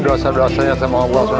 dosa dosanya sama allah